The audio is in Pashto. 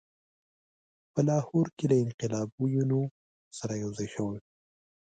په لاهور کې له انقلابیونو سره یوځای شوی وو.